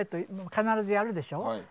必ずやるでしょ。